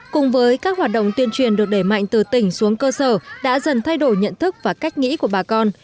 cùng với các hoạt động tuyên truyền được đẩy mạnh từ tỉnh xuống cơ sở đã dần thay đổi nhận thức và cách nghĩ của bà con